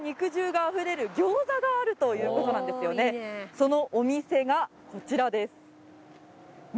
そのお店がこちらです。